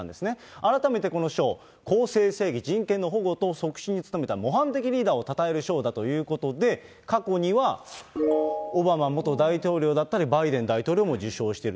改めてこの賞、公正・正義・人権の保護と促進に努めた模範的リーダーをたたえる賞だということで、過去にはオバマ元大統領だったり、バイデン大統領も受賞している。